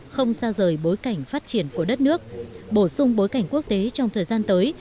không xa rời bối cảnh phát triển của đất nước bổ sung bối cảnh quốc tế trong thời gian tới